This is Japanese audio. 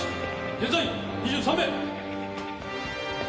現在２３名！